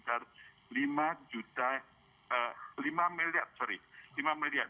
yaitu hanya sekitar lima miliar